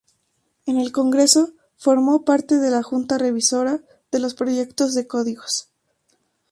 En el Congreso formó parte de la junta revisora de los proyectos de códigos.